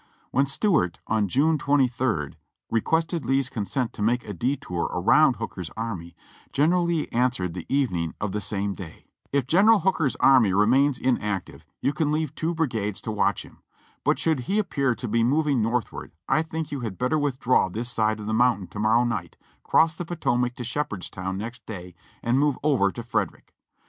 When Stuart, on June 23rd, requested Lee's consent to make a detour around Hooker's army, General Lee answered the even ing of the same day: "If General Hooker's army remains inactive, you can leave two brigades to watch him, but should he appear to be moving north ward I think you had better withdraw this side of the mountain to morrow night, cross the Potomac at Shepherdstown next day and move over to Frederick.